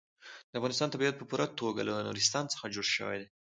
د افغانستان طبیعت په پوره توګه له نورستان څخه جوړ شوی دی.